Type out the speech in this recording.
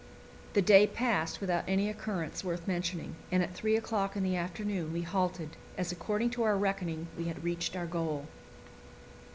The day passed without any occurrence worth mentioning, and at three o'clock in the afternoon we halted, as according to our reckoning we had reached our goal.